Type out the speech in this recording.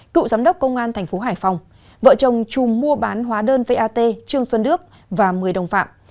cựu giám đốc công an tp hải phòng vợ chồng trùm mua bán hóa đơn vat trương xuân đức và một mươi đồng phạm